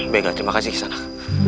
baiklah terima kasih kisanak